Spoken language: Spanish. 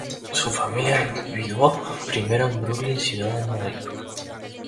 Su familia vivó primero en Brooklyn, Ciudad de Nueva York.